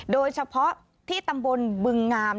โดยเฉพาะที่ตำบลบึงงาม